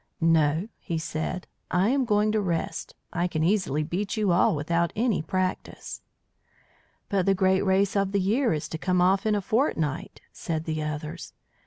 "No," he said, "I am going to rest. I can easily beat you all without any practice." "But the great race of the year is to come off in a fortnight," said the others.